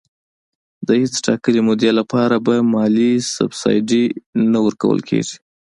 د هیڅ ټاکلي مودې لپاره به مالي سبسایډي نه ورکول کېږي.